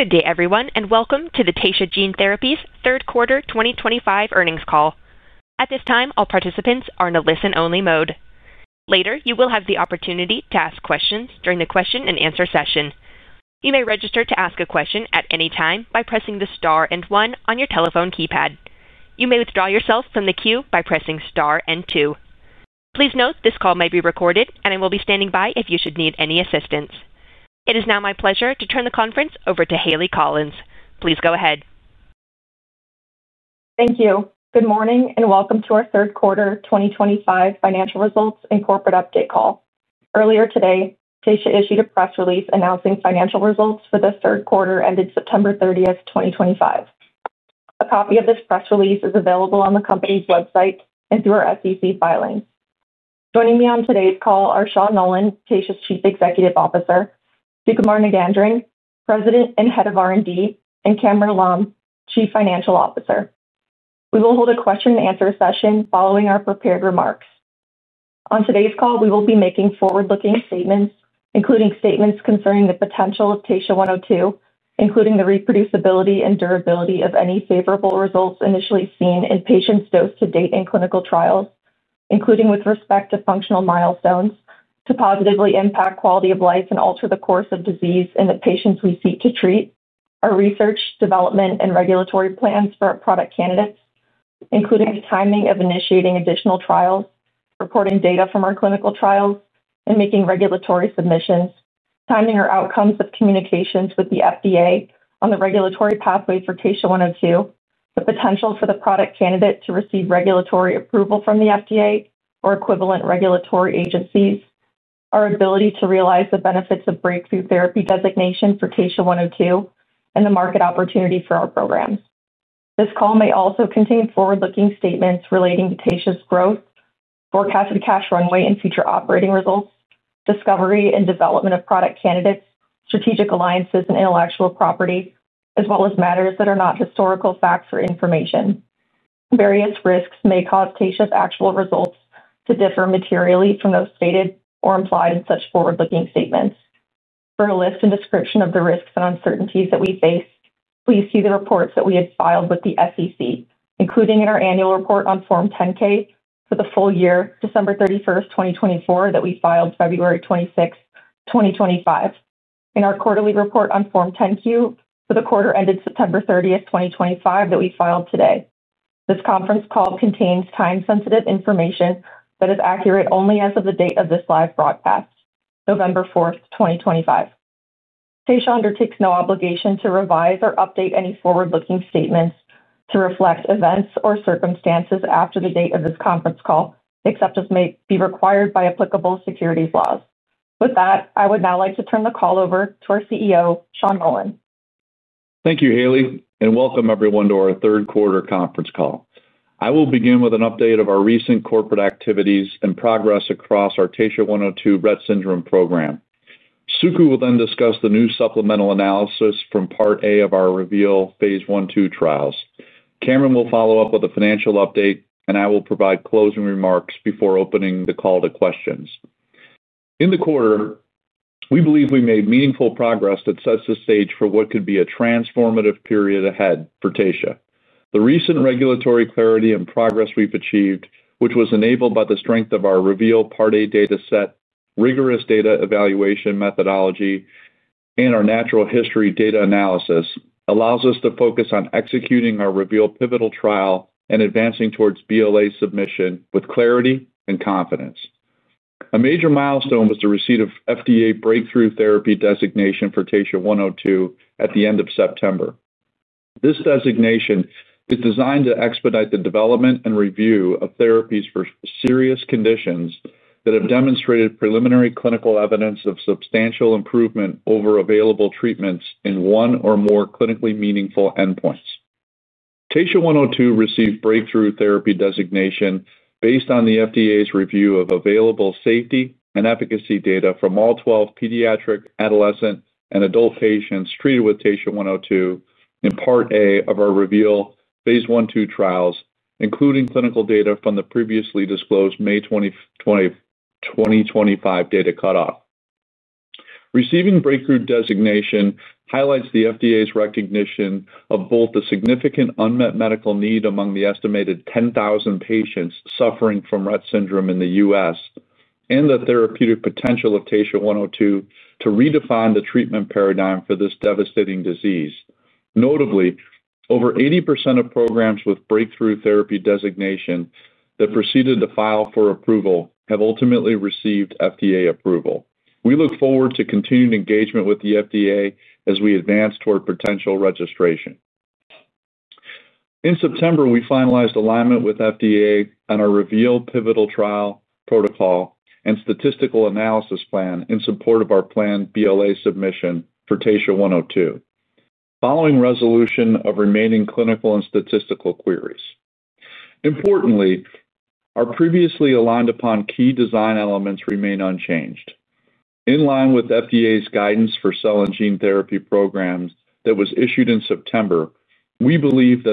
Good day, everyone, and welcome to the Taysha Gene Therapies third quarter 2025 earnings call. At this time, all participants are in a listen-only mode. Later, you will have the opportunity to ask questions during the question-and-answer session. You may register to ask a question at any time by pressing the star and one on your telephone keypad. You may withdraw yourself from the queue by pressing star and two. Please note this call may be recorded, and I will be standing by if you should need any assistance. It is now my pleasure to turn the conference over to Hayleigh Collins. Please go ahead. Thank you. Good morning and welcome to our third quarter 2025 financial results and corporate update call. Earlier today, Taysha issued a press release announcing financial results for this third quarter ended September 30th, 2025. A copy of this press release is available on the company's website and through our SEC filings. Joining me on today's call are Sean Nolan, Taysha's Chief Executive Officer; Sukumar Nagendran, President and Head of R&D; and Kamran Alam, Chief Financial Officer. We will hold a question-and-answer session following our prepared remarks. On today's call, we will be making forward-looking statements, including statements concerning the potential of TSHA-102, including the reproducibility and durability of any favorable results initially seen in patients dosed to date in clinical trials, including with respect to functional milestones, to positively impact quality of life and alter the course of disease in the patients we seek to treat. Our research, development, and regulatory plans for our product candidates, including the timing of initiating additional trials, reporting data from our clinical trials, and making regulatory submissions. Timing or outcomes of communications with the FDA on the regulatory pathway for TSHA-102. The potential for the product candidate to receive regulatory approval from the FDA or equivalent regulatory agencies. Our ability to realize the benefits of breakthrough therapy designation for TSHA-102. And the market opportunity for our programs. This call may also contain forward-looking statements relating to Taysha's growth, forecasted cash runway and future operating results, discovery and development of product candidates, strategic alliances and intellectual property, as well as matters that are not historical facts or information. Various risks may cause Taysha's actual results to differ materially from those stated or implied in such forward-looking statements. For a list and description of the risks and uncertainties that we face, please see the reports that we have filed with the SEC, including in our annual report on Form 10-K for the full year, December 31st, 2024, that we filed February 26th, 2025, and our quarterly report on Form 10-Q for the quarter ended September 30th, 2025, that we filed today. This conference call contains time-sensitive information that is accurate only as of the date of this live broadcast, November 4th, 2025. Taysha undertakes no obligation to revise or update any forward-looking statements to reflect events or circumstances after the date of this conference call, except as may be required by applicable securities laws. With that, I would now like to turn the call over to our CEO, Sean Nolan. Thank you, Hayleigh, and welcome everyone to our third quarter conference call. I will begin with an update of our recent corporate activities and progress across our TSHA-102 Rett syndrome program. Sukumar will then discuss the new supplemental analysis from Part A of our REVEAL phase I/II trials. Kamran will follow up with a financial update, and I will provide closing remarks before opening the call to questions. In the quarter, we believe we made meaningful progress that sets the stage for what could be a transformative period ahead for Taysha. The recent regulatory clarity and progress we've achieved, which was enabled by the strength of our REVEAL Part A data set, rigorous data evaluation methodology, and our natural history data analysis, allows us to focus on executing our REVEAL pivotal trial and advancing towards BLA submission with clarity and confidence. A major milestone was the receipt of FDA breakthrough therapy designation for TSHA-102 at the end of September. This designation is designed to expedite the development and review of therapies for serious conditions that have demonstrated preliminary clinical evidence of substantial improvement over available treatments in one or more clinically meaningful endpoints. TSHA-102 received breakthrough therapy designation based on the FDA's review of available safety and efficacy data from all 12 pediatric, adolescent, and adult patients treated with TSHA-102 in Part A of our REVEAL phase I/II trials, including clinical data from the previously disclosed May 2025 data cutoff. Receiving breakthrough designation highlights the FDA's recognition of both the significant unmet medical need among the estimated 10,000 patients suffering from Rett syndrome in the U.S. and the therapeutic potential of TSHA-102 to redefine the treatment paradigm for this devastating disease. Notably, over 80% of programs with breakthrough therapy designation that proceeded to file for approval have ultimately received FDA approval. We look forward to continued engagement with the FDA as we advance toward potential registration. In September, we finalized alignment with FDA on our REVEAL pivotal trial protocol and statistical analysis plan in support of our planned BLA submission for TSHA-102, following resolution of remaining clinical and statistical queries. Importantly, our previously aligned upon key design elements remain unchanged. In line with FDA's guidance for cell and gene therapy programs that was issued in September, we believe that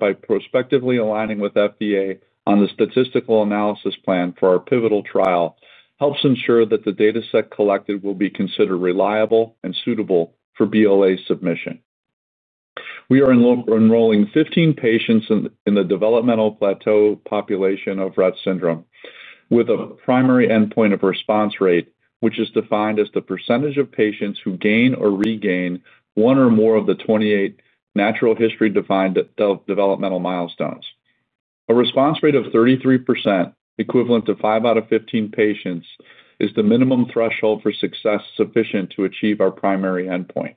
by prospectively aligning with FDA on the statistical analysis plan for our pivotal trial helps ensure that the data set collected will be considered reliable and suitable for BLA submission. We are enrolling 15 patients in the developmental plateau population of Rett syndrome, with a primary endpoint of response rate, which is defined as the percentage of patients who gain or regain one or more of the 28 natural history-defined developmental milestones. A response rate of 33%, equivalent to five out of 15 patients, is the minimum threshold for success sufficient to achieve our primary endpoint.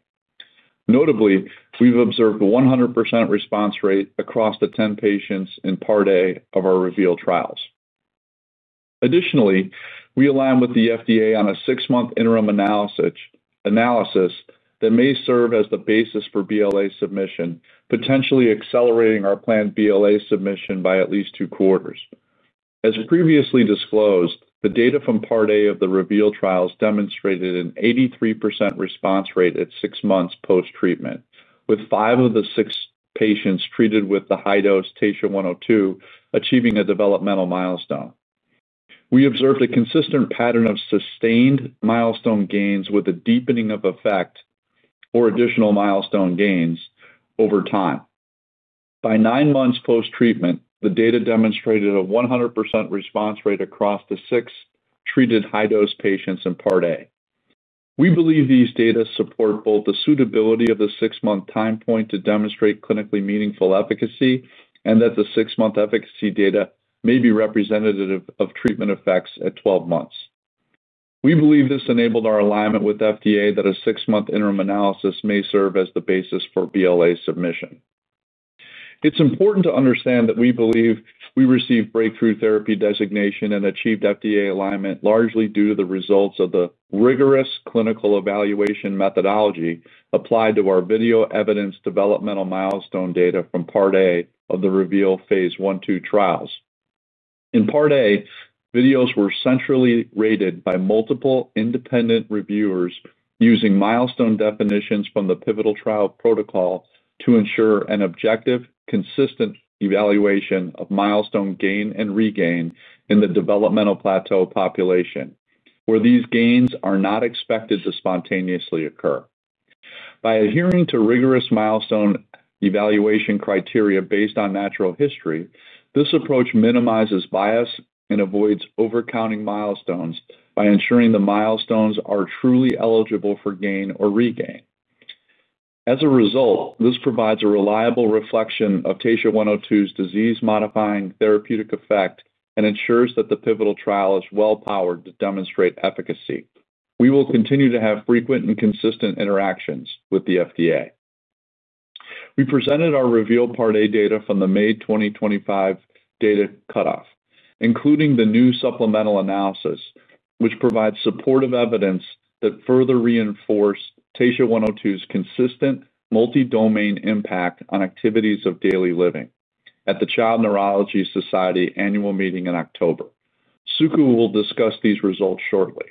Notably, we've observed a 100% response rate across the 10 patients in Part A of our REVEAL trials. Additionally, we align with the FDA on a six-month interim analysis that may serve as the basis for BLA submission, potentially accelerating our planned BLA submission by at least two quarters. As previously disclosed, the data from Part A of the REVEAL trials demonstrated an 83% response rate at six months post-treatment, with five of the six patients treated with the high-dose TSHA-102 achieving a developmental milestone. We observed a consistent pattern of sustained milestone gains with a deepening of effect or additional milestone gains over time. By nine months post-treatment, the data demonstrated a 100% response rate across the six treated high-dose patients in Part A. We believe these data support both the suitability of the six-month time point to demonstrate clinically meaningful efficacy and that the six-month efficacy data may be representative of treatment effects at 12 months. We believe this enabled our alignment with FDA that a six-month interim analysis may serve as the basis for BLA submission. It's important to understand that we believe we received Breakthrough Therapy Designation and achieved FDA alignment largely due to the results of the rigorous clinical evaluation methodology applied to our video evidence developmental milestone data from Part A of the REVEAL phase I/II trials. In Part A, videos were centrally rated by multiple independent reviewers using milestone definitions from the pivotal trial protocol to ensure an objective, consistent evaluation of milestone gain and regain in the developmental plateau population, where these gains are not expected to spontaneously occur. By adhering to rigorous milestone evaluation criteria based on natural history, this approach minimizes bias and avoids overcounting milestones by ensuring the milestones are truly eligible for gain or regain. As a result, this provides a reliable reflection of TSHA-102's disease-modifying therapeutic effect and ensures that the pivotal trial is well-powered to demonstrate efficacy. We will continue to have frequent and consistent interactions with the FDA. We presented our REVEAL Part A data from the May 2025 data cutoff, including the new supplemental analysis, which provides supportive evidence that further reinforced TSHA-102's consistent multi-domain impact on activities of daily living at the Child Neurology Society annual meeting in October. Sukumar will discuss these results shortly.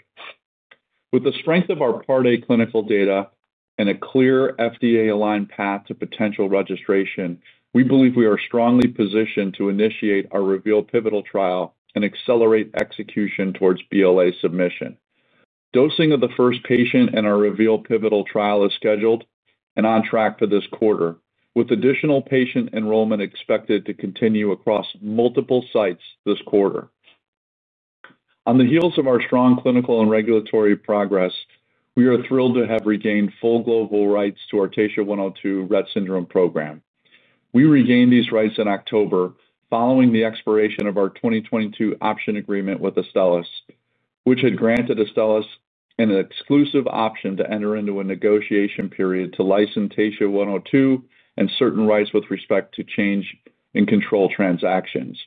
With the strength of our Part A clinical data and a clear FDA-aligned path to potential registration, we believe we are strongly positioned to initiate our REVEAL pivotal trial and accelerate execution towards BLA submission. Dosing of the first patient in our REVEAL pivotal trial is scheduled and on track for this quarter, with additional patient enrollment expected to continue across multiple sites this quarter. On the heels of our strong clinical and regulatory progress, we are thrilled to have regained full global rights to our TSHA-102 Rett syndrome program. We regained these rights in October following the expiration of our 2022 option agreement with Astellas, which had granted Astellas an exclusive option to enter into a negotiation period to license TSHA-102 and certain rights with respect to change and control transactions.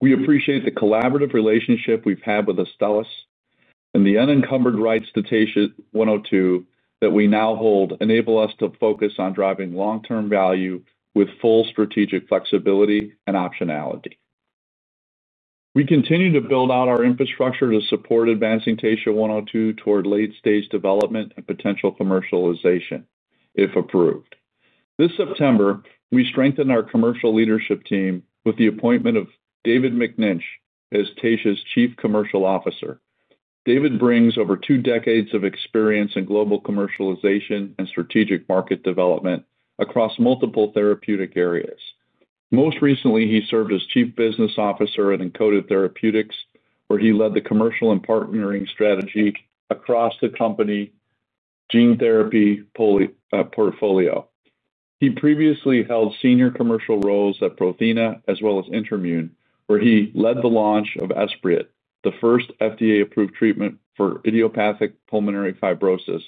We appreciate the collaborative relationship we've had with Astellas, and the unencumbered rights to TSHA-102 that we now hold enable us to focus on driving long-term value with full strategic flexibility and optionality. We continue to build out our infrastructure to support advancing TSHA-102 toward late-stage development and potential commercialization, if approved. This September, we strengthened our commercial leadership team with the appointment of David McNinch as Taysha's Chief Commercial Officer. David brings over two decades of experience in global commercialization and strategic market development across multiple therapeutic areas. Most recently, he served as Chief Business Officer at Encoded Therapeutics, where he led the commercial and partnering strategy across the company's gene therapy portfolio. He previously held senior commercial roles at Prothena, as well as InterMune, where he led the launch of Esbriet, the first FDA-approved treatment for idiopathic pulmonary fibrosis,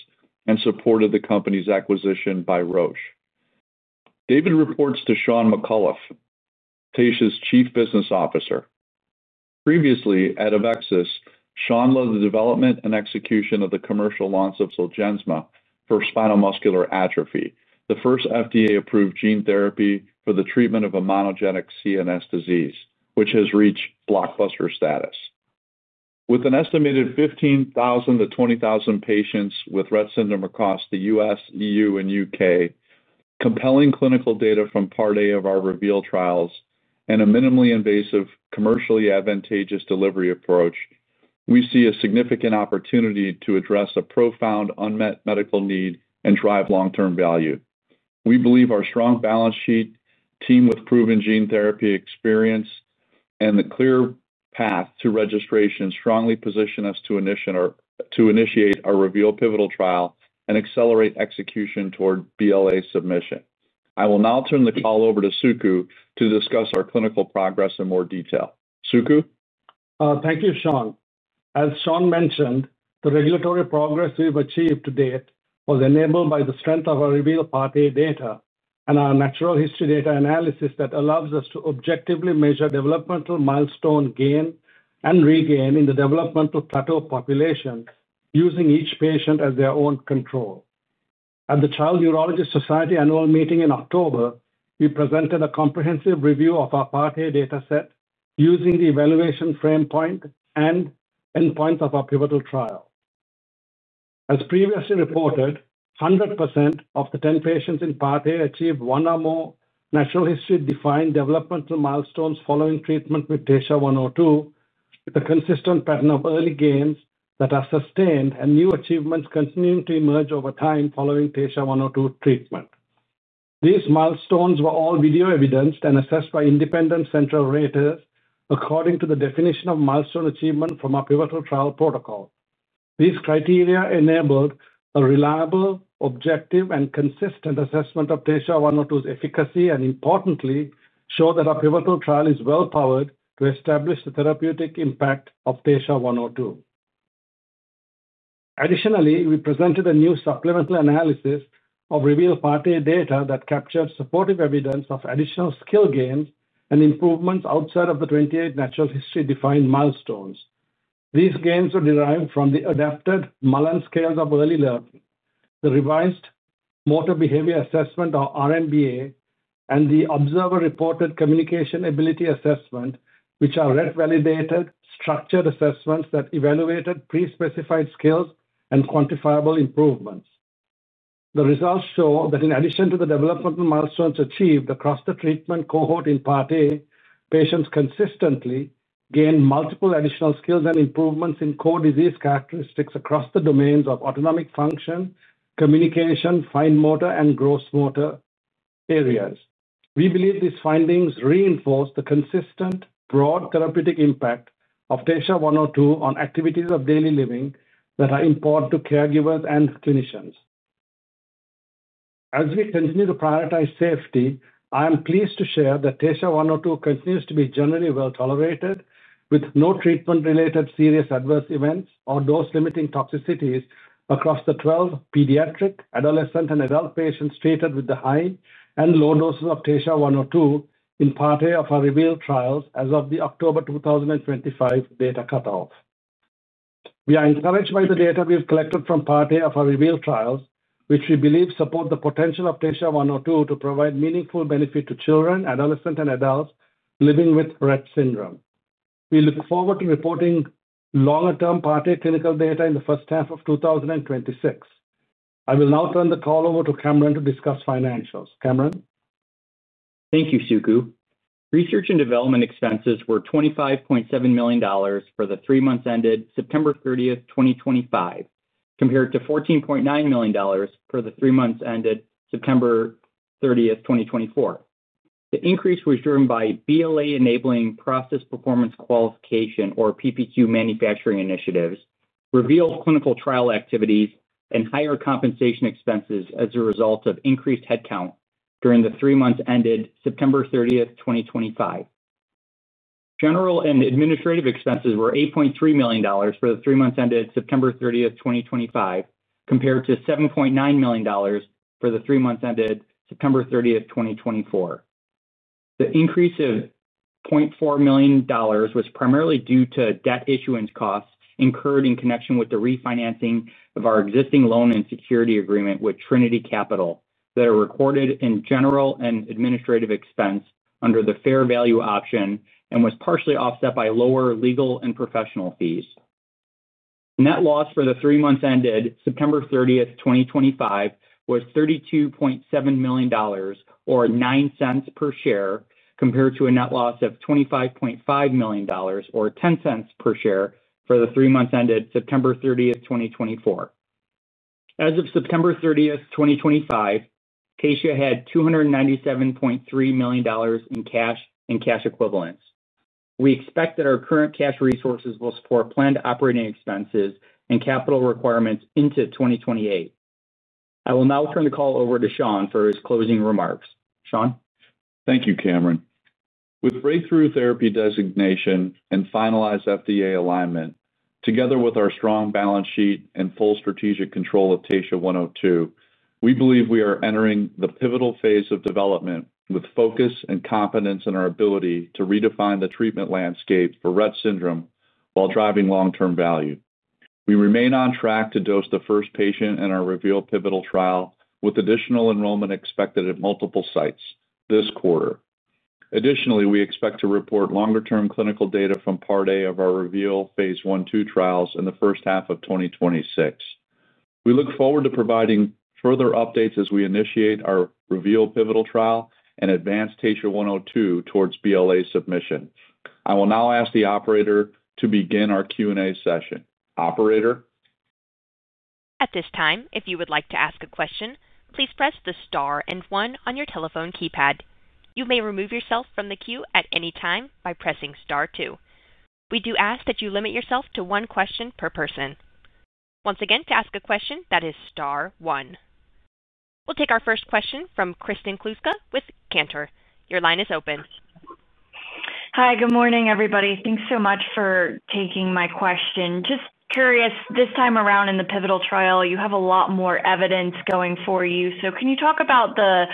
and supported the company's acquisition by Roche. David reports to Sean McAuliffe, Taysha's Chief Business Officer. Previously, at AveXis, Sean led the development and execution of the commercial launch of Zolgensma for spinal muscular atrophy, the first FDA-approved gene therapy for the treatment of a monogenic CNS disease, which has reached blockbuster status. With an estimated 15,000-20,000 patients with Rett syndrome across the U.S., E.U., and U.K., compelling clinical data from Part A of our REVEAL trials, and a minimally invasive, commercially advantageous delivery approach, we see a significant opportunity to address a profound unmet medical need and drive long-term value. We believe our strong balance sheet, team with proven gene therapy experience, and the clear path to registration strongly position us to initiate our REVEAL pivotal trial and accelerate execution toward BLA submission. I will now turn the call over to Suku to discuss our clinical progress in more detail. Suku? Thank you, Sean. As Sean mentioned, the regulatory progress we've achieved to date was enabled by the strength of our REVEAL Part A data and our natural history data analysis that allows us to objectively measure developmental milestone gain and regain in the developmental plateau population using each patient as their own control. At the Child Neurology Society annual meeting in October, we presented a comprehensive review of our Part A data set using the evaluation framework and endpoint of our pivotal trial. As previously reported, 100% of the 10 patients in Part A achieved one or more natural history-defined developmental milestones following treatment with TSHA-102, with a consistent pattern of early gains that are sustained and new achievements continuing to emerge over time following TSHA-102 treatment. These milestones were all video evidenced and assessed by independent central rater according to the definition of milestone achievement from our pivotal trial protocol. These criteria enabled a reliable, objective, and consistent assessment of TSHA-102's efficacy and, importantly, show that our pivotal trial is well-powered to establish the therapeutic impact of TSHA-102. Additionally, we presented a new supplemental analysis of REVEAL Part A data that captured supportive evidence of additional skill gains and improvements outside of the 28 natural history-defined milestones. These gains were derived from the adapted Mullen Scales of Early Learning, the Revised Motor Behavior Assessment, or R-MBA, and the Observer-Reported Communication Ability assessment, which are Rett-validated structured assessments that evaluated pre-specified skills and quantifiable improvements. The results show that in addition to the developmental milestones achieved across the treatment cohort in Part A, patients consistently gained multiple additional skills and improvements in core disease characteristics across the domains of autonomic function, communication, fine motor, and gross motor areas. We believe these findings reinforce the consistent, broad therapeutic impact of TSHA-102 on activities of daily living that are important to caregivers and clinicians. As we continue to prioritize safety, I am pleased to share that TSHA-102 continues to be generally well-tolerated, with no treatment-related serious adverse events or dose-limiting toxicities across the 12 pediatric, adolescent, and adult patients treated with the high and low doses of TSHA-102 in Part A of our REVEAL trials as of the October 2025 data cutoff. We are encouraged by the data we've collected from Part A of our REVEAL trials, which we believe support the potential of TSHA-102 to provide meaningful benefit to children, adolescents, and adults living with Rett syndrome. We look forward to reporting longer-term Part A clinical data in the first half of 2026. I will now turn the call over to Kamran to discuss financials. Kamran? Thank you, Suku. Research and development expenses were $25.7 million for the three months ended September 30, 2025, compared to $14.9 million for the three months ended September 30th, 2024. The increase was driven by BLA-enabling process performance qualification, or PPQ, manufacturing initiatives, REVEAL clinical trial activities, and higher compensation expenses as a result of increased headcount during the three months ended September 30th, 2025. General and administrative expenses were $8.3 million for the three months ended September 30th, 2025, compared to $7.9 million for the three months ended September 30th, 2024. The increase of $0.4 million was primarily due to debt issuance costs incurred in connection with the refinancing of our existing loan and security agreement with Trinity Capital that are recorded in general and administrative expense under the fair value option and was partially offset by lower legal and professional fees. Net loss for the three months ended September 30th, 2025, was $32.7 million, or $0.09 per share, compared to a net loss of $25.5 million, or $0.10 per share, for the three months ended September 30th, 2024. As of September 30th, 2025, Taysha had $297.3 million in cash and cash equivalents. We expect that our current cash resources will support planned operating expenses and capital requirements into 2028. I will now turn the call over to Sean for his closing remarks. Sean? Thank you, Kamran. With breakthrough therapy designation and finalized FDA alignment, together with our strong balance sheet and full strategic control of TSHA-102, we believe we are entering the pivotal phase of development with focus and confidence in our ability to redefine the treatment landscape for Rett syndrome while driving long-term value. We remain on track to dose the first patient in our REVEAL pivotal trial with additional enrollment expected at multiple sites this quarter. Additionally, we expect to report longer-term clinical data from Part A of our REVEAL phase I/II trials in the first half of 2026. We look forward to providing further updates as we initiate our REVEAL pivotal trial and advance TSHA-102 towards BLA submission. I will now ask the operator to begin our Q&A session. Operator? At this time, if you would like to ask a question, please press the star and one on your telephone keypad. You may remove yourself from the queue at any time by pressing star two. We do ask that you limit yourself to one question per person. Once again, to ask a question, that is star one. We'll take our first question from Kristen Kluska with Cantor. Your line is open. Hi. Good morning, everybody. Thanks so much for taking my question. Just curious, this time around in the pivotal trial, you have a lot more evidence going for you. So can you talk about the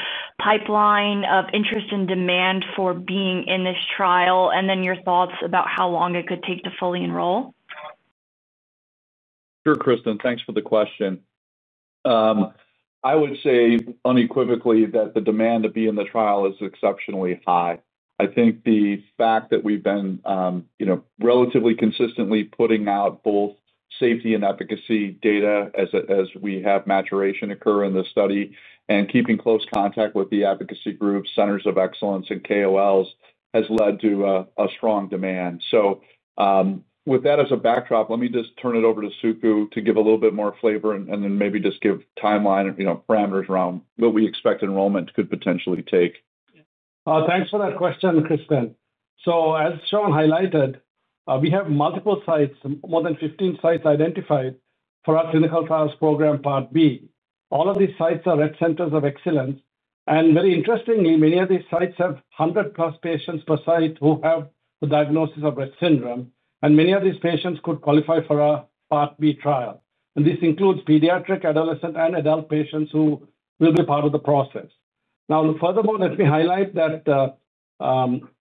pipeline of interest and demand for being in this trial and then your thoughts about how long it could take to fully enroll? Sure, Kristen. Thanks for the question. I would say unequivocally that the demand to be in the trial is exceptionally high. I think the fact that we've been relatively consistently putting out both safety and efficacy data as we have maturation occur in the study and keeping close contact with the advocacy groups, centers of excellence, and KOLs has led to a strong demand. So. With that as a backdrop, let me just turn it over to Suku to give a little bit more flavor and then maybe just give timeline parameters around what we expect enrollment could potentially take. Thanks for that question, Kristen. So as Sean highlighted, we have multiple sites, more than 15 sites identified for our clinical trials program, Part B. All of these sites are Rett Centers of Excellence, and very interestingly, many of these sites have 100+ patients per site who have the diagnosis of Rett syndrome. And many of these patients could qualify for a Part B trial. And this includes pediatric, adolescent, and adult patients who will be part of the process. Now, furthermore, let me highlight that.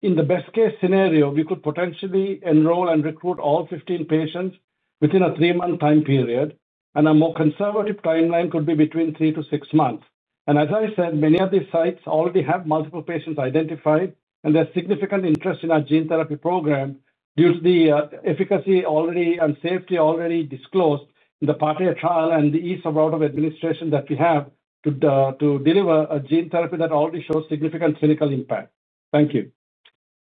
In the best-case scenario, we could potentially enroll and recruit all 15 patients within a three-month time period, and a more conservative timeline could be between three to six months. And as I said, many of these sites already have multiple patients identified, and there's significant interest in our gene therapy program due to the efficacy already and safety already disclosed in the Part A trial and the ease of route of administration that we have to deliver a gene therapy that already shows significant clinical impact. Thank you.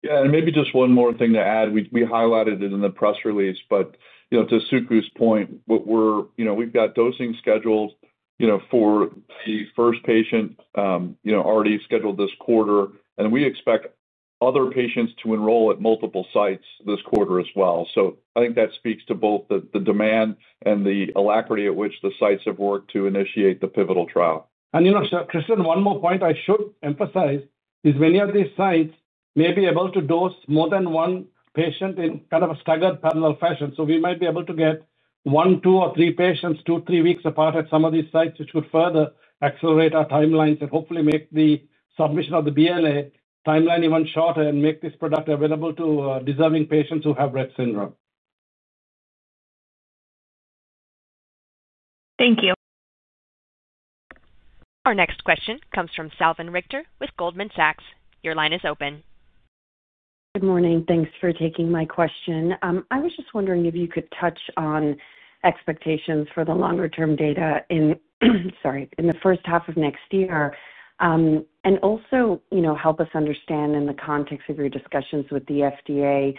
Yeah. And maybe just one more thing to add. We highlighted it in the press release, but to Suku's point, we've got dosing scheduled for the first patient already scheduled this quarter. And we expect other patients to enroll at multiple sites this quarter as well. So I think that speaks to both the demand and the alacrity at which the sites have worked to initiate the pivotal trial. And Kristen, one more point I should emphasize is many of these sites may be able to dose more than one patient in kind of a staggered parallel fashion. So we might be able to get one, two, or three patients two, three weeks apart at some of these sites, which could further accelerate our timelines and hopefully make the submission of the BLA timeline even shorter and make this product available to deserving patients who have Rett syndrome. Thank you. Our next question comes from Salveen Richter with Goldman Sachs. Your line is open. Good morning. Thanks for taking my question. I was just wondering if you could touch on expectations for the longer-term data in, sorry, in the first half of next year, and also help us understand, in the context of your discussions with the FDA,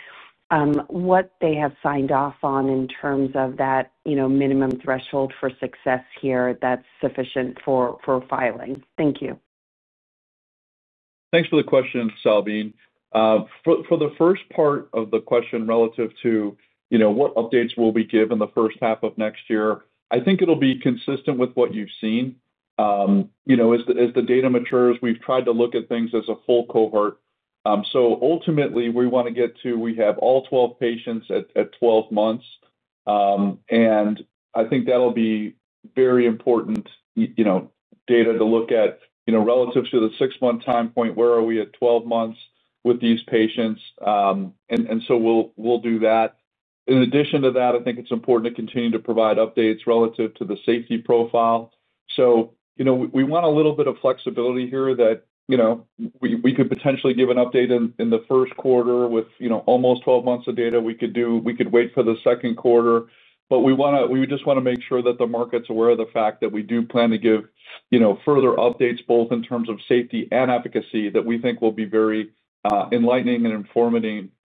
what they have signed off on in terms of that minimum threshold for success here that's sufficient for filing? Thank you. Thanks for the question, Salveen. For the first part of the question relative to what updates will be given the first half of next year, I think it'll be consistent with what you've seen. As the data matures, we've tried to look at things as a full cohort. So ultimately, we want to get to we have all 12 patients at 12 months. And I think that'll be very important data to look at relative to the six-month time point, where are we at 12 months with these patients? And so we'll do that. In addition to that, I think it's important to continue to provide updates relative to the safety profile. So we want a little bit of flexibility here that we could potentially give an update in the first quarter with almost 12 months of data. We could wait for the second quarter. But we just want to make sure that the market's aware of the fact that we do plan to give further updates both in terms of safety and efficacy that we think will be very enlightening and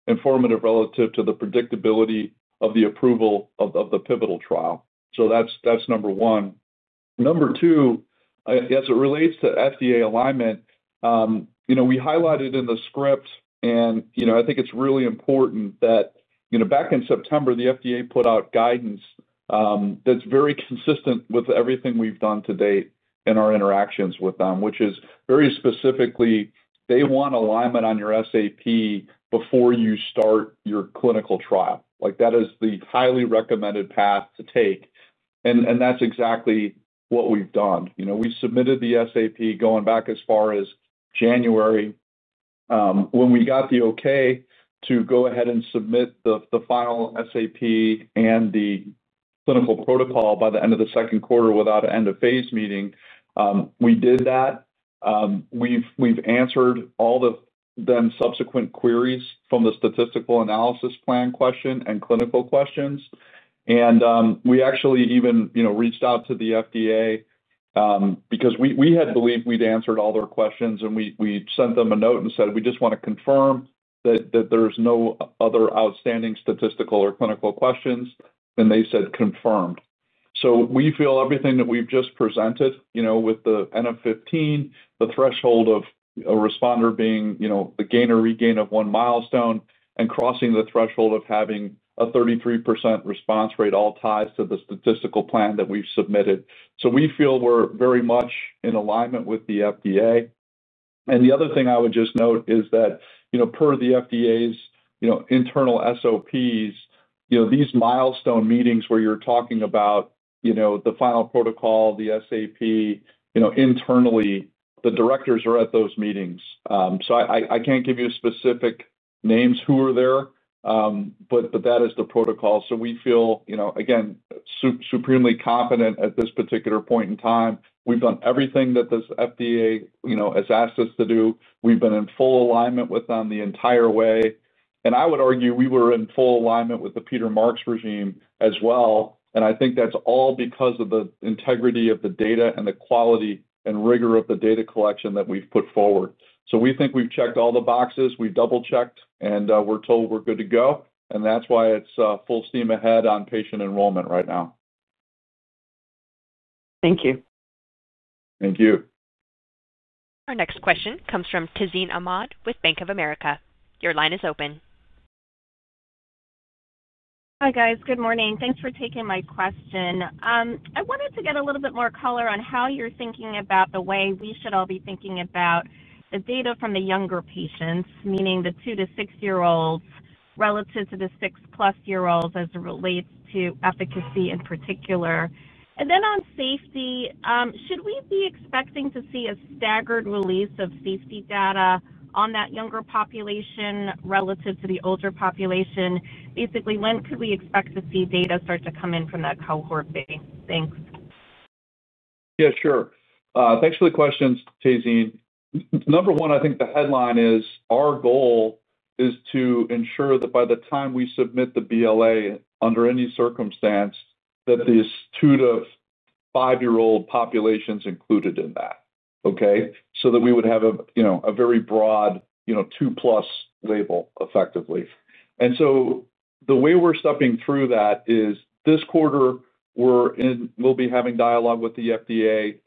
informative relative to the predictability of the approval of the pivotal trial. So that's number one. Number two, as it relates to FDA alignment. We highlighted in the script, and I think it's really important that back in September, the FDA put out guidance that's very consistent with everything we've done to date in our interactions with them, which is very specifically, they want alignment on your SAP before you start your clinical trial. That is the highly recommended path to take. And that's exactly what we've done. We submitted the SAP going back as far as January. When we got the okay to go ahead and submit the final SAP and the clinical protocol by the end of the second quarter without an end-of-phase meeting, we did that. We've answered all the then subsequent queries from the statistical analysis plan question and clinical questions. And we actually even reached out to the FDA because we had believed we'd answered all their questions, and we sent them a note and said, "We just want to confirm that there's no other outstanding statistical or clinical questions." And they said, "Confirmed." So we feel everything that we've just presented with the NF15, the threshold of a responder being the gain or regain of one milestone, and crossing the threshold of having a 33% response rate all ties to the statistical plan that we've submitted. So we feel we're very much in alignment with the FDA. And the other thing I would just note is that per the FDA's internal SOPs, these milestone meetings where you're talking about the final protocol, the SAP. Internally, the directors are at those meetings. So I can't give you specific names who are there, but that is the protocol. So we feel, again, supremely confident at this particular point in time. We've done everything that this FDA has asked us to do. We've been in full alignment with them the entire way. And I would argue we were in full alignment with the Peter Marks regime as well. And I think that's all because of the integrity of the data and the quality and rigor of the data collection that we've put forward. So we think we've checked all the boxes. We've double-checked, and we're told we're good to go. And that's why it's full steam ahead on patient enrollment right now. Thank you. Thank you. Our next question comes from Tazeen Ahmad with Bank of America. Your line is open. Hi, guys. Good morning. Thanks for taking my question. I wanted to get a little bit more color on how you're thinking about the way we should all be thinking about. The data from the younger patients, meaning the two to six-year-olds relative to the six-plus-year-olds as it relates to efficacy in particular. And then on safety, should we be expecting to see a staggered release of safety data on that younger population relative to the older population? Basically, when could we expect to see data start to come in from that cohort? Thanks. Yeah, sure. Thanks for the questions, Tazeen. Number one, I think the headline is our goal is to ensure that by the time we submit the BLA under any circumstance, that these two- to five-year-old populations included in that, okay? So that we would have a very broad two-plus label effectively. And so the way we're stepping through that is this quarter, we're in, we'll be having dialogue with the FDA.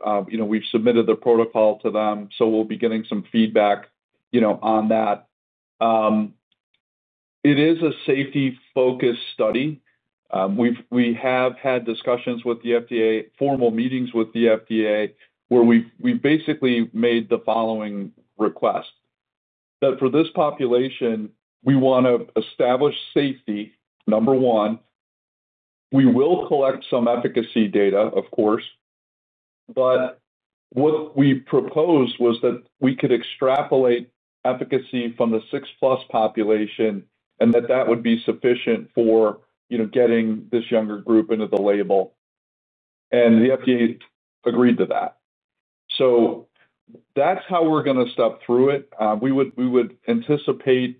We've submitted the protocol to them. So we'll be getting some feedback. On that. It is a safety-focused study. We have had discussions with the FDA, formal meetings with the FDA, where we've basically made the following request. That for this population, we want to establish safety, number one. We will collect some efficacy data, of course. But. What we proposed was that we could extrapolate efficacy from the six-plus population and that that would be sufficient for. Getting this younger group into the label. And the FDA agreed to that. So. That's how we're going to step through it. We would anticipate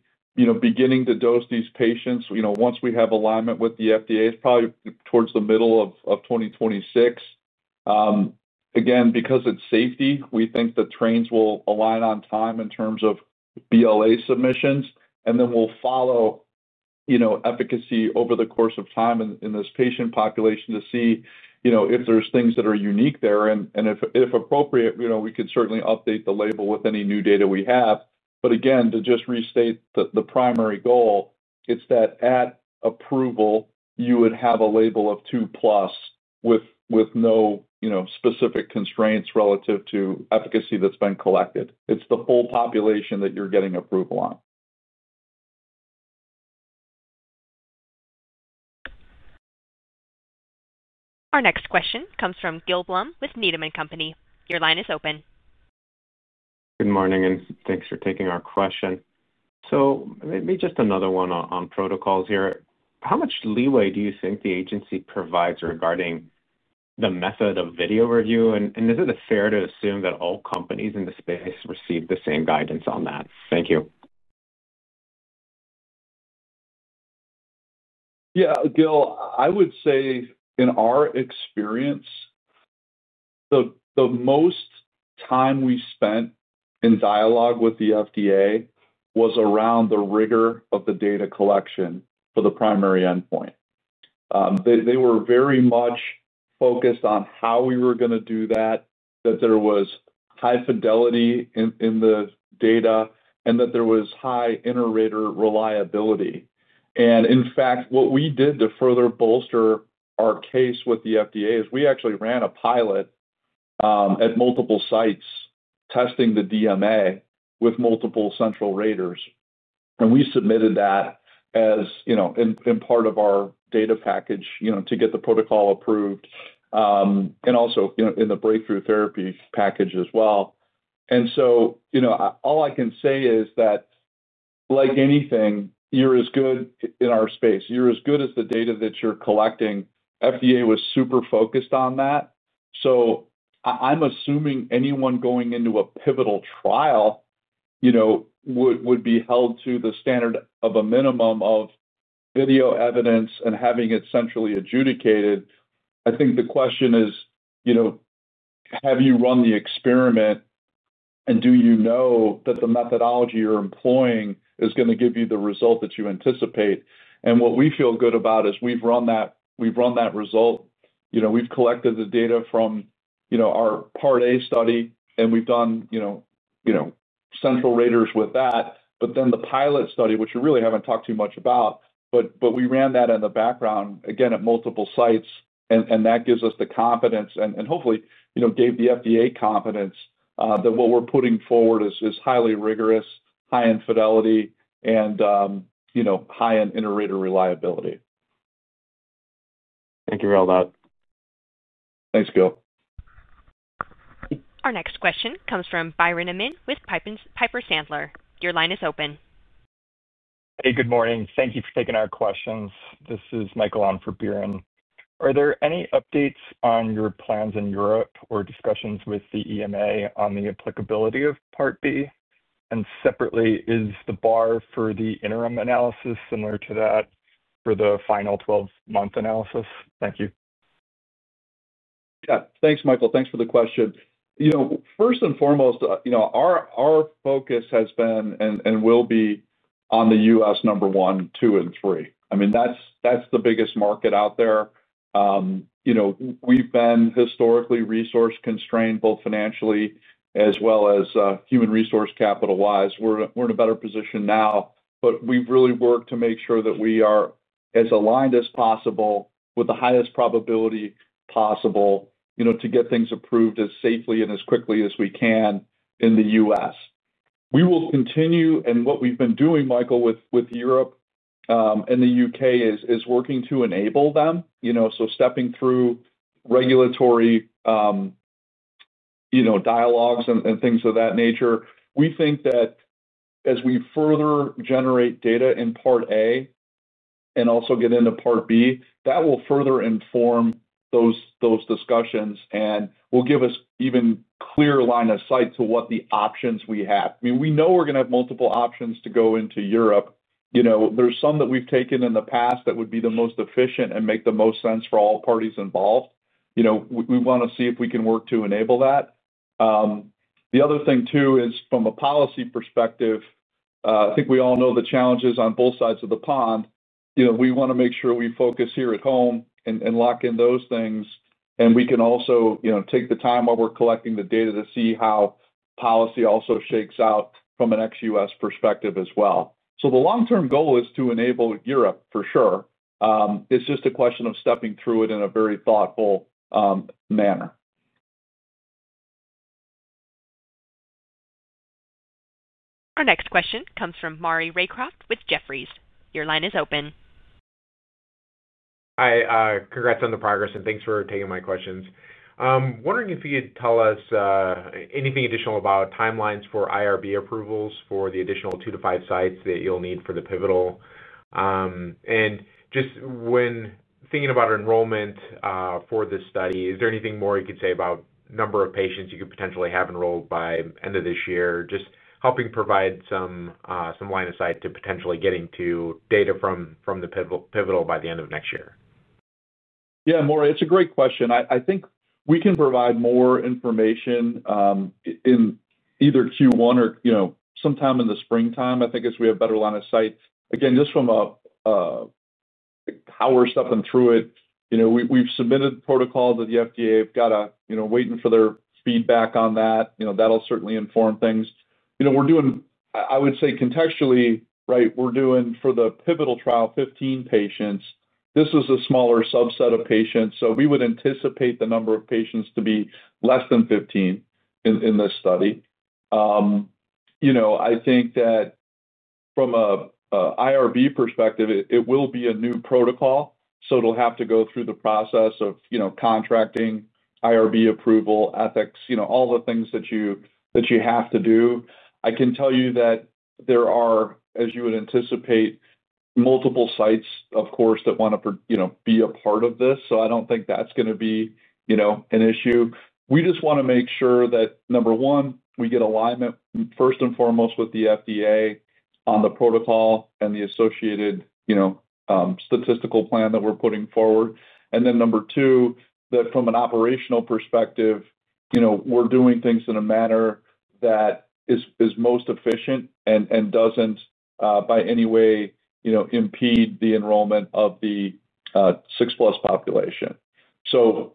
beginning to dose these patients once we have alignment with the FDA, probably towards the middle of 2026. Again, because it's safety, we think the trains will align on time in terms of BLA submissions. And then we'll follow. Efficacy over the course of time in this patient population to see if there's things that are unique there. And if appropriate, we could certainly update the label with any new data we have. But again, to just restate the primary goal, it's that at approval, you would have a label of two-plus with no specific constraints relative to efficacy that's been collected. It's the full population that you're getting approval on. Our next question comes from Gil Blum with Needham and Company. Your line is open. Good morning, and thanks for taking our question. So maybe just another one on protocols here. How much leeway do you think the agency provides regarding the method of video review? And is it fair to assume that all companies in the space receive the same guidance on that? Thank you. Yeah, Gil, I would say in our experience the most time we spent in dialogue with the FDA was around the rigor of the data collection for the primary endpoint. They were very much focused on how we were going to do that, that there was high fidelity in the data, and that there was high inter-rater reliability. In fact, what we did to further bolster our case with the FDA is we actually ran a pilot at multiple sites testing the DMA with multiple central raters. We submitted that as in part of our data package to get the protocol approved and also in the breakthrough therapy package as well. All I can say is that like anything, you're as good in our space. You're as good as the data that you're collecting. The FDA was super focused on that. I'm assuming anyone going into a pivotal trial would be held to the standard of a minimum of video evidence and having it centrally adjudicated. I think the question is have you run the experiment and do you know that the methodology you're employing is going to give you the result that you anticipate? What we feel good about is we've run that. We've collected the data from our Part A study, and we've done central raters with that. But then the pilot study, which we really haven't talked too much about, but we ran that in the background, again, at multiple sites. That gives us the confidence and hopefully gave the FDA confidence that what we're putting forward is highly rigorous, high in fidelity, and high in inter-rater reliability. Thank you for all that. Thanks, Gil. Our next question comes from Biren Amin with Piper Sandler. Your line is open. Hey, good morning. Thank you for taking our questions. This is [Michael] for Biren. Are there any updates on your plans in Europe or discussions with the EMA on the applicability of Part B? And separately, is the bar for the interim analysis similar to that for the final 12-month analysis? Thank you. Yeah. Thanks, Michael. Thanks for the question. First and foremost, our focus has been and will be on the U.S. number one, two, and three. I mean, that's the biggest market out there. We've been historically resource-constrained, both financially as well as human resource capital-wise. We're in a better position now, but we've really worked to make sure that we are as aligned as possible with the highest probability possible to get things approved as safely and as quickly as we can in the U.S. We will continue, and what we've been doing, Michael, with Europe and the U.K. is working to enable them. So, stepping through regulatory dialogues and things of that nature. We think that as we further generate data in Part A and also get into Part B, that will further inform those discussions and will give us even clearer line of sight to what the options we have. I mean, we know we're going to have multiple options to go into Europe. There's some that we've taken in the past that would be the most efficient and make the most sense for all parties involved. We want to see if we can work to enable that. The other thing, too, is from a policy perspective, I think we all know the challenges on both sides of the pond. We want to make sure we focus here at home and lock in those things. We can also take the time while we're collecting the data to see how policy also shakes out from an ex-U.S. perspective as well. So, the long-term goal is to enable Europe, for sure. It's just a question of stepping through it in a very thoughtful manner. Our next question comes from Maury Raycroft with Jefferies. Your line is open. Hi. Congrats on the progress, and thanks for taking my questions. Wondering if you could tell us anything additional about timelines for IRB approvals for the additional two to five sites that you'll need for the pivotal. And just when thinking about enrollment for this study, is there anything more you could say about the number of patients you could potentially have enrolled by the end of this year, just helping provide some line of sight to potentially getting to data from the pivotal by the end of next year? Yeah, Maury, it's a great question. I think we can provide more information. In either Q1 or sometime in the springtime, I think, as we have better line of sight. Again, just from how we're stepping through it. We've submitted protocols that the FDA have got waiting for their feedback on that. That'll certainly inform things. We're doing, I would say, contextually, right, we're doing for the pivotal trial 15 patients. This is a smaller subset of patients. So we would anticipate the number of patients to be less than 15 in this study. I think that from an IRB perspective, it will be a new protocol. So it'll have to go through the process of contracting, IRB approval, ethics, all the things that you have to do. I can tell you that there are, as you would anticipate, multiple sites, of course, that want to be a part of this. So I don't think that's going to be an issue. We just want to make sure that, number one, we get alignment first and foremost with the FDA on the protocol and the associated statistical plan that we're putting forward. And then number two, that from an operational perspective, we're doing things in a manner that is most efficient and doesn't by any way impede the enrollment of the six-plus population. So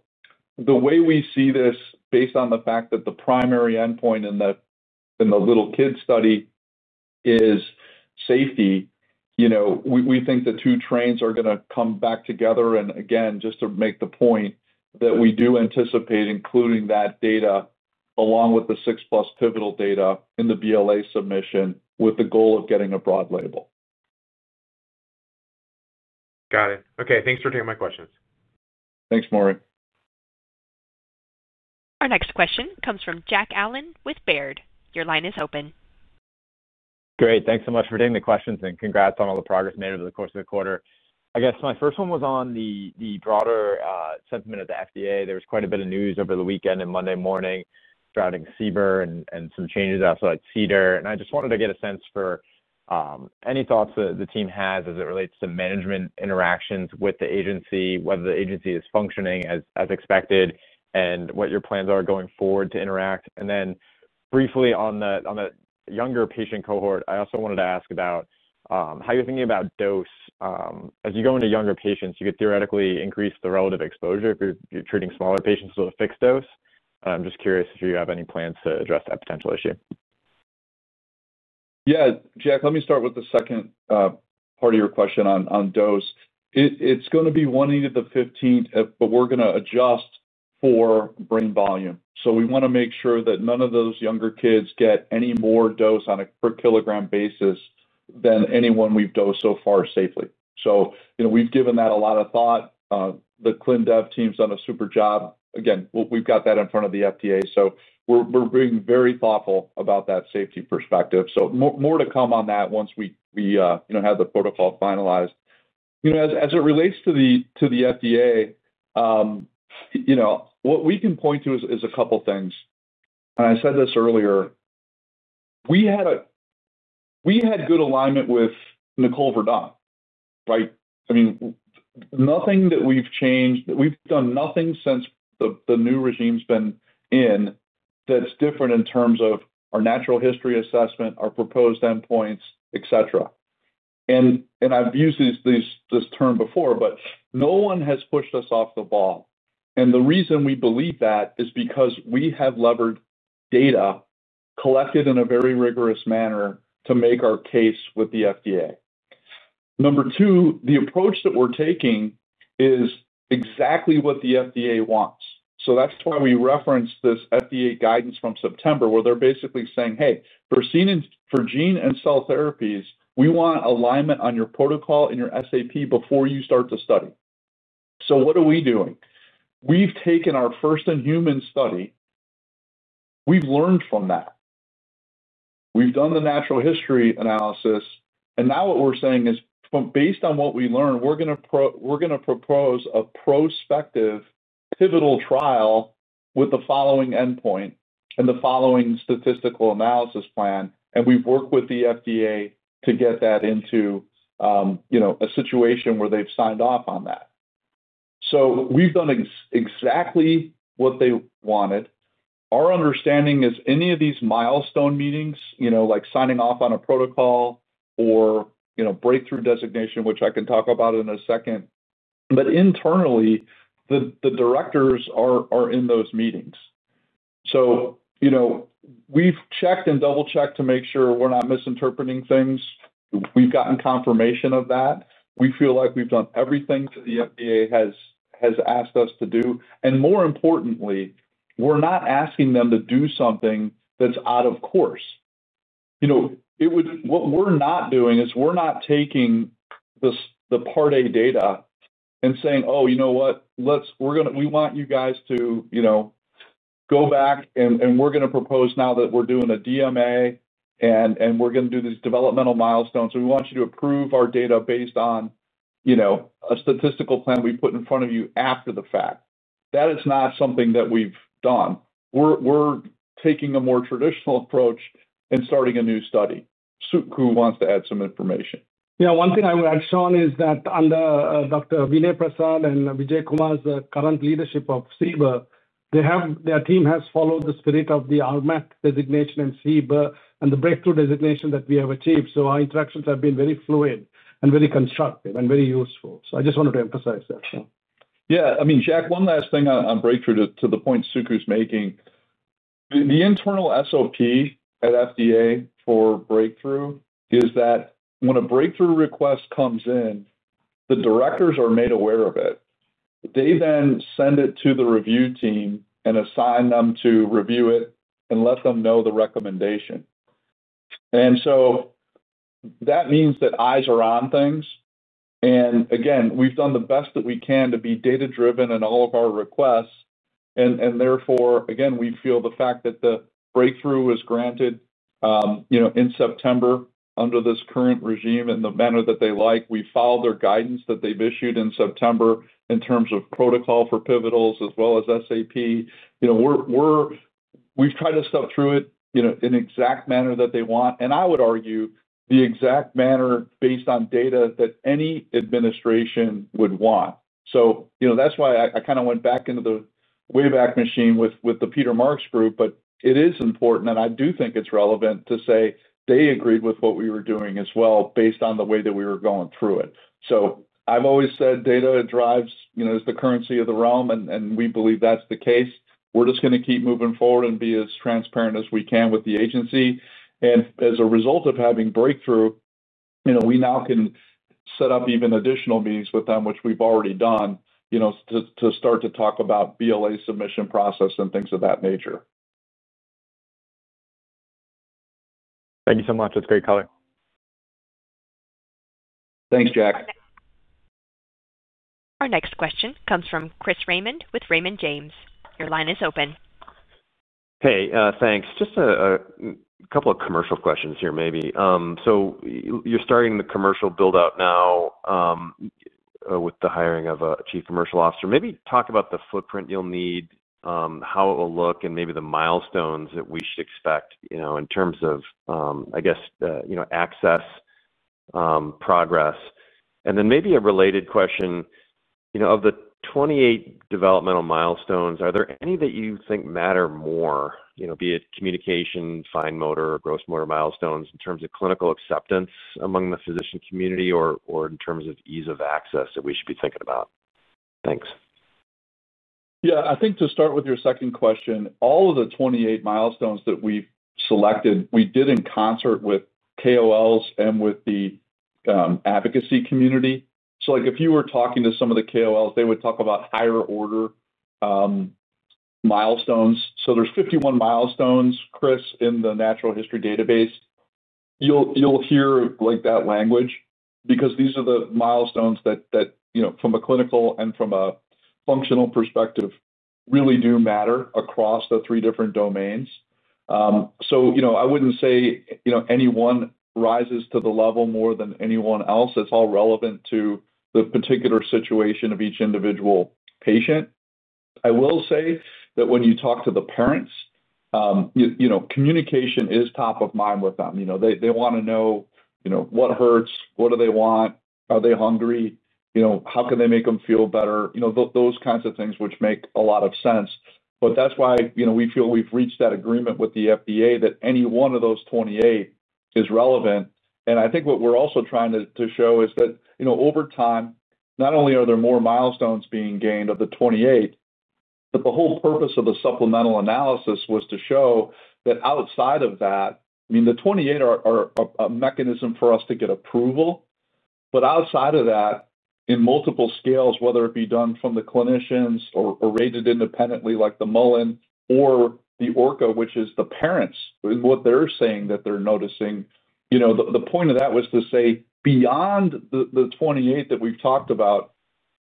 the way we see this, based on the fact that the primary endpoint in the little kids study is safety, we think the two trains are going to come back together. And again, just to make the point that we do anticipate including that data along with the six-plus pivotal data in the BLA submission with the goal of getting a broad label. Got it. Okay. Thanks for taking my questions. Thanks, Maury. Our next question comes from Jack Allen with Baird. Your line is open. Great. Thanks so much for taking the questions and congrats on all the progress made over the course of the quarter. I guess my first one was on the broader sentiment of the FDA. There was quite a bit of news over the weekend and Monday morning surrounding CBER and some changes outside CDER, and I just wanted to get a sense for any thoughts that the team has as it relates to management interactions with the agency, whether the agency is functioning as expected, and what your plans are going forward to interact, and then briefly on the younger patient cohort, I also wanted to ask about how you're thinking about dose. As you go into younger patients, you could theoretically increase the relative exposure if you're treating smaller patients with a fixed dose. I'm just curious if you have any plans to address that potential issue. Yeah. Jack, let me start with the second. Part of your question on dose. It's going to be [1/8] of the 15th, but we're going to adjust for brain volume. So we want to make sure that none of those younger kids get any more dose on a per-kilogram basis than anyone we've dosed so far safely. So we've given that a lot of thought. The ClinDev team's done a super job. Again, we've got that in front of the FDA. So we're being very thoughtful about that safety perspective. So more to come on that once we have the protocol finalized. As it relates to the FDA. What we can point to is a couple of things. And I said this earlier. We had good alignment with Nicole Verdun, right? I mean. Nothing that we've changed. We've done nothing since the new regime's been in that's different in terms of our natural history assessment, our proposed endpoints, etc. And I've used this term before, but no one has pushed us off the ball. And the reason we believe that is because we have leveraged data collected in a very rigorous manner to make our case with the FDA. Number two, the approach that we're taking is exactly what the FDA wants. So that's why we referenced this FDA guidance from September where they're basically saying, "Hey, for gene and cell therapies, we want alignment on your protocol and your SAP before you start the study." So what are we doing? We've taken our first in human study. We've learned from that. We've done the natural history analysis. And now what we're saying is, based on what we learned, we're going to propose a prospective pivotal trial with the following endpoint and the following statistical analysis plan. And we've worked with the FDA to get that into a situation where they've signed off on that. So we've done exactly what they wanted. Our understanding is any of these milestone meetings, like signing off on a protocol or breakthrough designation, which I can talk about in a second. But internally, the directors are in those meetings. So we've checked and double-checked to make sure we're not misinterpreting things. We've gotten confirmation of that. We feel like we've done everything that the FDA has asked us to do. And more importantly, we're not asking them to do something that's out of course. What we're not doing is we're not taking the Part A data. And saying, "Oh, you know what? We want you guys to go back, and we're going to propose now that we're doing a DMA, and we're going to do these developmental milestones. We want you to approve our data based on a statistical plan we put in front of you after the fact." That is not something that we've done. We're taking a more traditional approach and starting a new study. Suku wants to add some information. Yeah. One thing I've shown is that under Dr. Vinay Prasad and Vijay Kumar's current leadership of CBER, their team has followed the spirit of the RMAT designation and CBER and the breakthrough designation that we have achieved. So our interactions have been very fluid and very constructive and very useful. So I just wanted to emphasize that. Yeah. I mean, Jack, one last thing on breakthrough to the point Suku's making. The internal SOP at FDA for breakthrough is that when a breakthrough request comes in, the directors are made aware of it. They then send it to the review team and assign them to review it and let them know the recommendation. And so that means that eyes are on things. And again, we've done the best that we can to be data-driven in all of our requests. And therefore, again, we feel the fact that the breakthrough was granted in September under this current regime in the manner that they like. We followed their guidance that they've issued in September in terms of protocol for pivotals as well as SAP. We've tried to step through it in the exact manner that they want. And I would argue the exact manner based on data that any administration would want. So that's why I kind of went back into the wayback machine with the Peter Marks group. But it is important, and I do think it's relevant to say they agreed with what we were doing as well based on the way that we were going through it. So I've always said data drives is the currency of the realm, and we believe that's the case. We're just going to keep moving forward and be as transparent as we can with the agency. And as a result of having breakthrough, we now can set up even additional meetings with them, which we've already done to start to talk about BLA submission process and things of that nature. Thank you so much. That's great color. Thanks, Jack. Our next question comes from Chris Raymond with Raymond James. Your line is open. Hey, thanks. Just a couple of commercial questions here maybe. So you're starting the commercial build-out now. With the hiring of a Chief Commercial Officer. Maybe talk about the footprint you'll need, how it will look, and maybe the milestones that we should expect in terms of, I guess. Access. Progress. And then maybe a related question. Of the 28 developmental milestones, are there any that you think matter more, be it communication, fine motor, or gross motor milestones in terms of clinical acceptance among the physician community or in terms of ease of access that we should be thinking about? Thanks. Yeah. I think to start with your second question, all of the 28 milestones that we've selected, we did in concert with KOLs and with the advocacy community. So if you were talking to some of the KOLs, they would talk about higher-order milestones. So there's 51 milestones, Chris, in the natural history database. You'll hear that language because these are the milestones that, from a clinical and from a functional perspective, really do matter across the three different domains. So I wouldn't say anyone rises to the level more than anyone else. It's all relevant to the particular situation of each individual patient. I will say that when you talk to the parents, communication is top of mind with them. They want to know what hurts, what do they want, are they hungry, how can they make them feel better, those kinds of things which make a lot of sense. But that's why we feel we've reached that agreement with the FDA that any one of those 28 is relevant. And I think what we're also trying to show is that over time, not only are there more milestones being gained of the 28. But the whole purpose of the supplemental analysis was to show that outside of that, I mean, the 28 are a mechanism for us to get approval. But outside of that, in multiple scales, whether it be done from the clinicians or rated independently like the Mullen or the ORCA, which is the parents and what they're saying that they're noticing. The point of that was to say, beyond the 28 that we've talked about.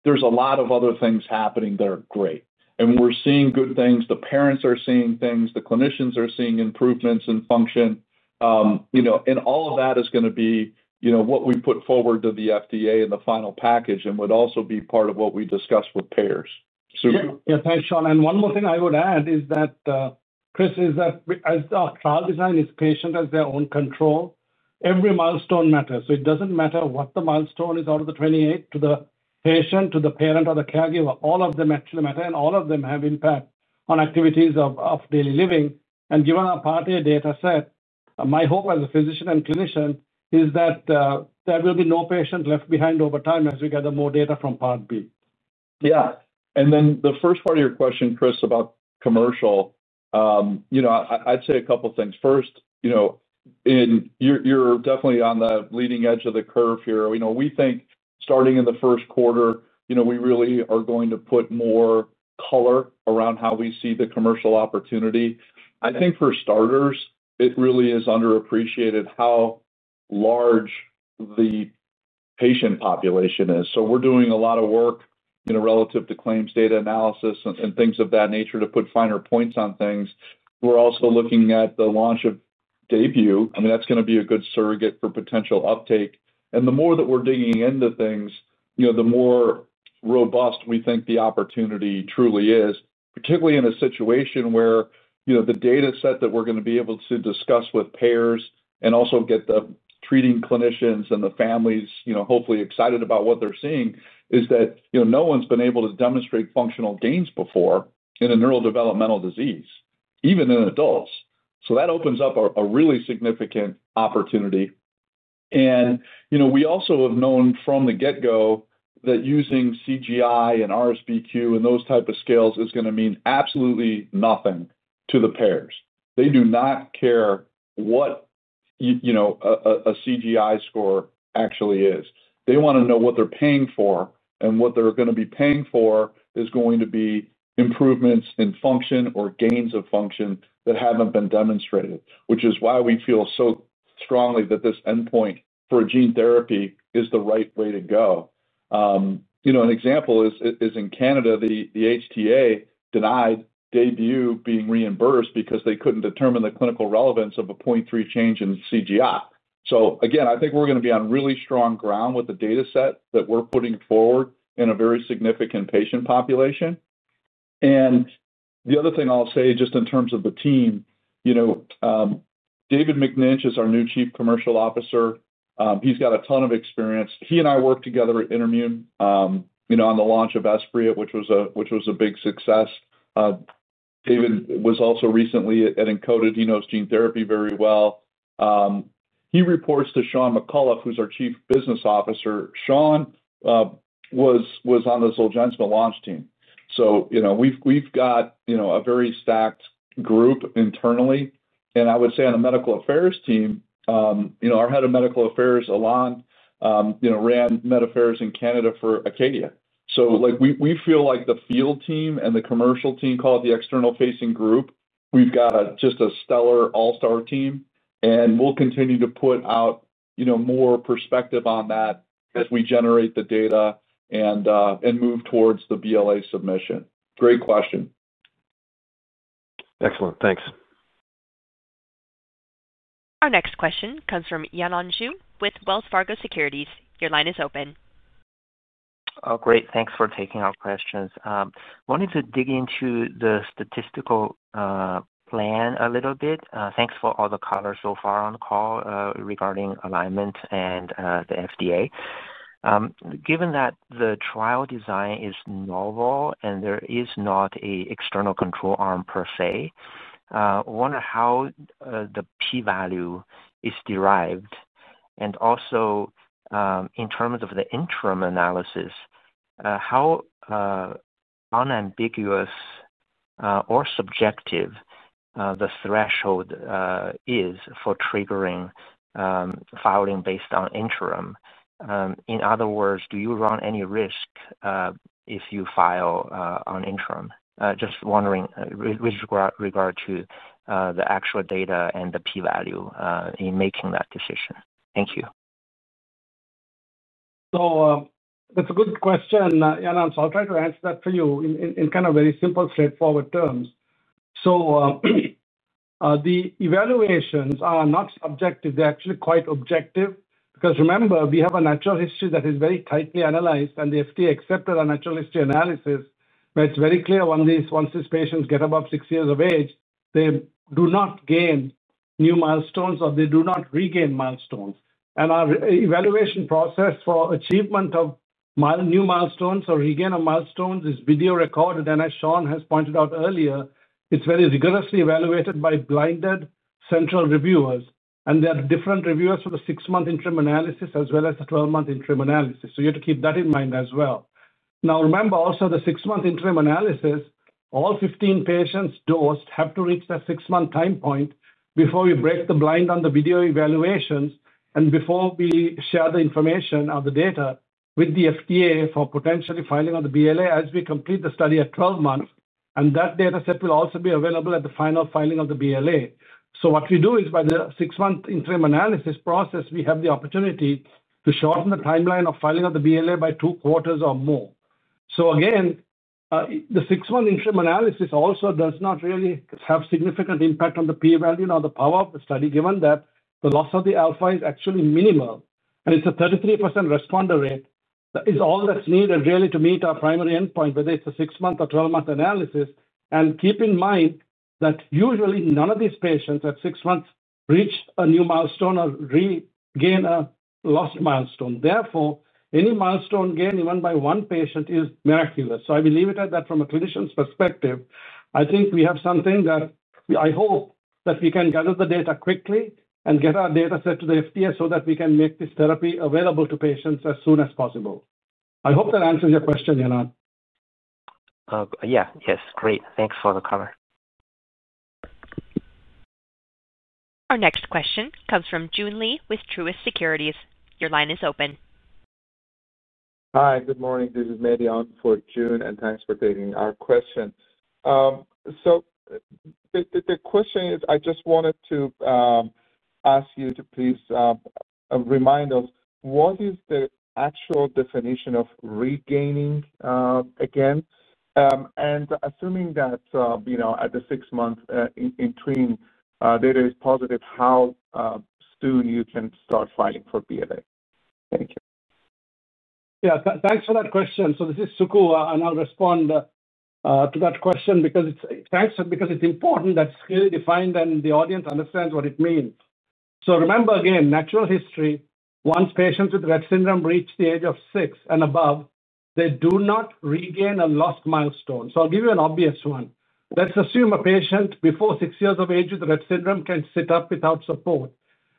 There's a lot of other things happening that are great. And we're seeing good things. The parents are seeing things. The clinicians are seeing improvements in function. And all of that is going to be what we put forward to the FDA in the final package and would also be part of what we discuss with payers. Thanks, Sean. And one more thing I would add is that, Chris, as our trial design is patients as their own control, every milestone matters. So it doesn't matter what the milestone is out of the 28 to the patient, to the parent, or the caregiver. All of them actually matter, and all of them have impact on activities of daily living. And given our Part A data set, my hope as a physician and clinician is that there will be no patient left behind over time as we gather more data from Part B. Yeah. And then the first part of your question, Chris, about commercial. I'd say a couple of things. First, you're definitely on the leading edge of the curve here. We think starting in the first quarter, we really are going to put more color around how we see the commercial opportunity. I think for starters, it really is underappreciated how large the patient population is. So we're doing a lot of work relative to claims data analysis and things of that nature to put finer points on things. We're also looking at the launch of Daybue. I mean, that's going to be a good surrogate for potential uptake. And the more that we're digging into things, the more robust we think the opportunity truly is, particularly in a situation where the data set that we're going to be able to discuss with payers and also get the treating clinicians and the families hopefully excited about what they're seeing is that no one's been able to demonstrate functional gains before in a neurodevelopmental disease, even in adults. So that opens up a really significant opportunity. And we also have known from the get-go that using CGI and RSBQ and those type of scales is going to mean absolutely nothing to the payers. They do not care what a CGI score actually is. They want to know what they're paying for, and what they're going to be paying for is going to be improvements in function or gains of function that haven't been demonstrated, which is why we feel so strongly that this endpoint for a gene therapy is the right way to go. An example is in Canada, the HTA denied Daybue being reimbursed because they couldn't determine the clinical relevance of a 0.3 change in CGI. So again, I think we're going to be on really strong ground with the data set that we're putting forward in a very significant patient population. And the other thing I'll say just in terms of the team, David McNinch is our new Chief Commercial Officer. He's got a ton of experience. He and I worked together at InterMune on the launch of Esbriet, which was a big success. David was also recently at Encoded Therapeutics. He knows gene therapy very well. He reports to Sean McAuliffe, who's our Chief Business Officer. Sean was on the Zolgensma launch team. So we've got a very stacked group internally. And I would say on the medical affairs team, our Head of Medical Affairs, Alain, ran medical affairs in Canada for Acadia. So we feel like the field team and the commercial team, called the external-facing group, we've got just a stellar all-star team. And we'll continue to put out more perspective on that as we generate the data and move towards the BLA submission. Great question. Excellent. Thanks. Our next question comes from Yanan Zhu with Wells Fargo Securities. Your line is open. Oh, great. Thanks for taking our questions. I wanted to dig into the statistical plan a little bit. Thanks for all the colors so far on the call regarding alignment and the FDA. Given that the trial design is novel and there is not an external control arm per se, I wonder how the p-value is derived. And also, in terms of the interim analysis, how unambiguous or subjective the threshold is for triggering filing based on interim? In other words, do you run any risk if you file on interim? Just wondering with regard to the actual data and the p-value in making that decision. Thank you. So that's a good question, Yanan Zhu. I'll try to answer that for you in kind of very simple, straightforward terms. So. The evaluations are not subjective. They're actually quite objective because remember, we have a natural history that is very tightly analyzed, and the FDA accepted our natural history analysis. But it's very clear once these patients get above six years of age, they do not gain new milestones or they do not regain milestones. And our evaluation process for achievement of new milestones or regain of milestones is video recorded. And as Sean has pointed out earlier, it's very rigorously evaluated by blinded central reviewers. And there are different reviewers for the six-month interim analysis as well as the 12-month interim analysis. So you have to keep that in mind as well. Now, remember also the six-month interim analysis, all 15 patients dosed have to reach that six-month time point before we break the blind on the video evaluations and before we share the information of the data with the FDA for potentially filing of the BLA as we complete the study at 12 months. And that data set will also be available at the final filing of the BLA. So what we do is by the six-month interim analysis process, we have the opportunity to shorten the timeline of filing of the BLA by two quarters or more. So again. The six-month interim analysis also does not really have significant impact on the p-value nor the power of the study given that the loss of the alpha is actually minimal. And it's a 33% responder rate. That is all that's needed really to meet our primary endpoint, whether it's a six-month or 12-month analysis. And keep in mind that usually none of these patients at six months reach a new milestone or regain a lost milestone. Therefore, any milestone gain even by one patient is miraculous. So I will leave it at that from a clinician's perspective. I think we have something that I hope that we can gather the data quickly and get our data set to the FDA so that we can make this therapy available to patients as soon as possible. I hope that answers your question, Yanan Zhu. Yeah. Yes. Great. Thanks for the coverage. Our next question comes from Joon Lee with Truist Securities. Your line is open. Hi. Good morning. This is Mehdi for Joon, and thanks for taking our question. So, the question is, I just wanted to ask you to please remind us, what is the actual definition of regaining again? And assuming that at the six-month interim data is positive, how soon you can start filing for BLA? Thank you. Yeah. Thanks for that question. So this is Sukumar, and I'll respond to that question because it's important that it's clearly defined and the audience understands what it means. So remember again, natural history, once patients with Rett syndrome reach the age of six and above, they do not regain a lost milestone. So I'll give you an obvious one. Let's assume a patient before six years of age with Rett syndrome can sit up without support,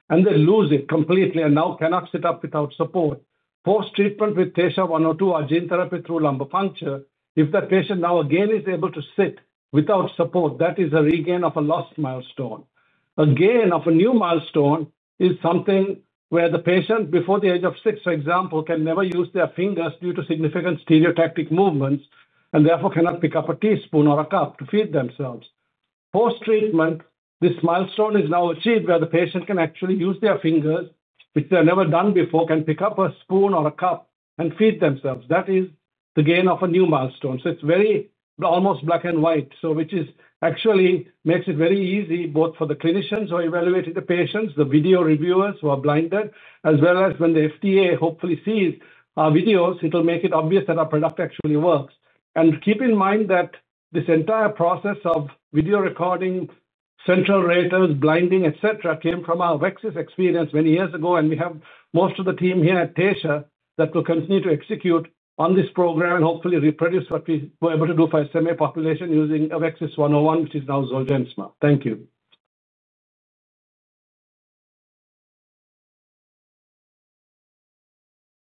and they lose it completely and now cannot sit up without support. Post-treatment with TSHA-102 or gene therapy through lumbar puncture, if that patient now again is able to sit without support, that is a regain of a lost milestone. Again, a new milestone is something where the patient before the age of six, for example, can never use their fingers due to significant stereotypic movements and therefore cannot pick up a teaspoon or a cup to feed themselves. Post-treatment, this milestone is now achieved where the patient can actually use their fingers, which they have never done before, can pick up a spoon or a cup and feed themselves. That is the gain of a new milestone. So it's very almost black and white, which actually makes it very easy both for the clinicians who are evaluating the patients, the video reviewers who are blinded, as well as when the FDA hopefully sees our videos, it'll make it obvious that our product actually works. And keep in mind that this entire process of video recording, central ratings, blinding, etc., came from our AveXis experience many years ago, and we have most of the team here at Taysha that will continue to execute on this program and hopefully reproduce what we were able to do for SMA population using a AVXS-101, which is now Zolgensma. Thank you.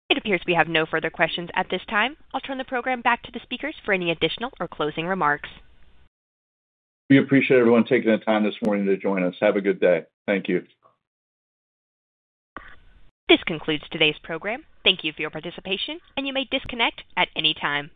It appears we have no further questions at this time. I'll turn the program back to the speakers for any additional or closing remarks. We appreciate everyone taking the time this morning to join us. Have a good day. Thank you. This concludes today's program. Thank you for your participation, and you may disconnect at any time.